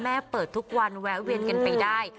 แม่เปิดในทุกวันแวะเวียนไปได้